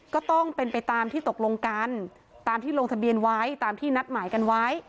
ก็ต้องเป็นไปตามที่ตกลงกันตามที่ลงทะเบียนไว้ตามที่นัดหมายกันไว้